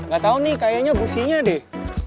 gak tau nih kayaknya businya deh